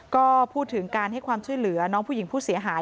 ก็พูดถึงการให้ความช่วยเหลือน้องผู้หญิงผู้เสียหาย